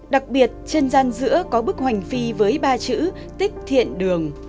đặc biệt trên gian giữa có bức hoành phi với ba chữ tích thiện đường